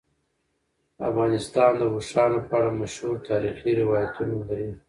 افغانستان د اوښانو په اړه مشهور تاریخی روایتونه لري.